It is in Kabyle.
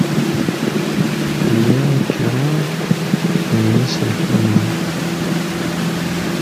Liɣ kraḍ n yiselkimen.